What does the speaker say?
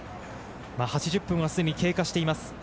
８０分はすでに経過しています。